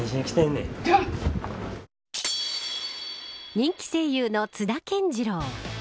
人気声優の津田健次郎。